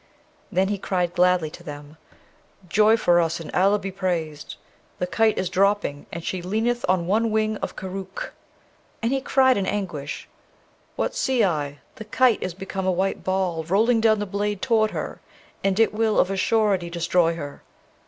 Then he cried gladly to them, 'Joy for us, and Allah be praised! The kite is dropping, and she leaneth on one wing of Koorookh!' And he cried in anguish, 'What see I? The kite is become a white ball, rolling down the blade toward her; and it will of a surety destroy her.'